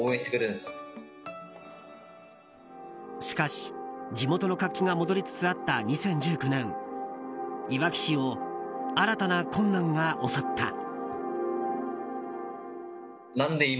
しかし、地元の活気が戻りつつあった２０１９年いわき市を新たな困難が襲った。